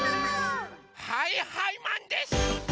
はいはいマンです！